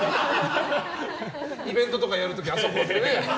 イベントとかやる時あそこでね。